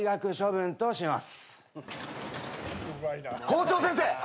・校長先生！